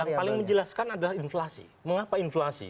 yang paling menjelaskan adalah inflasi mengapa inflasi